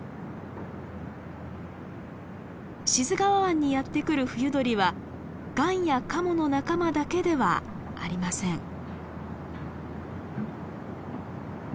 志津川湾にやって来る冬鳥はガンやカモの仲間だけではありません。